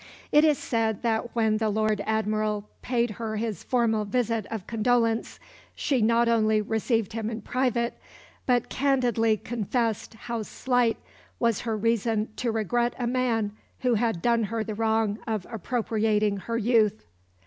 It is said that when the Lord Admiral paid her his formal visit of condolence she not only received him in private, but candidly confessed how slight was her reason to regret a man who had done her the wrong of appropriating her youth.